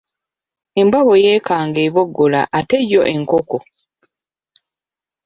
Embwa bwe yeekanga eboggola ate yo enkoko?